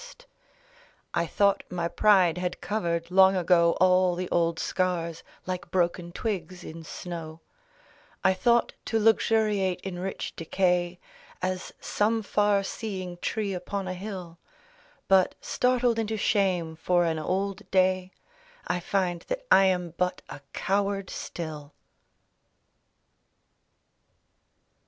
POETRY: A Magazine of Versc I thought my pride had covered long ago AH the old scars, like broken twigs in snow; I thought to luxuriate in rich decay. As some far seeing tree upon a hill; But, startled into shame for an old day, I find that I am but a coward still.